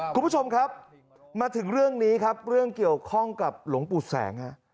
คุณผู้ชมครับมาถึงเรื่องนี้ครับเรื่องเกี่ยวข้องกับหลวงปู่แสงฮะ